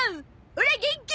オラ元気！